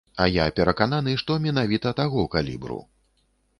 А я перакананы, што менавіта таго калібру.